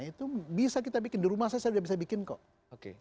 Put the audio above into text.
itu bisa kita bikin di rumah saya saya sudah bisa bikin kok